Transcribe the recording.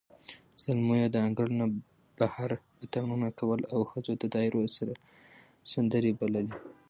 زلمیو د انګړ نه بهر اتڼونه کول، او ښځو د دایرو سره سندرې بللې.